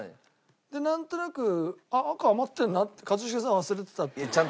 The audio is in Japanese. でなんとなく赤余ってるなって一茂さん忘れてたって。